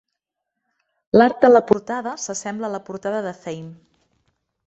L"art de la portada s"assembla a la portada de "Fame".